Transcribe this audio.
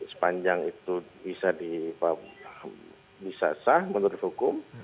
sepanjang itu bisa sah menurut hukum